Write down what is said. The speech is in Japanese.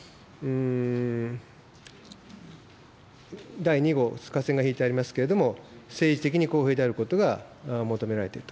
放送番組というのは、第２号、下線が引いてありますけれども、政治的に公平であることが求められていると。